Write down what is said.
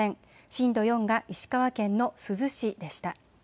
震度４が石川県の珠洲市でした。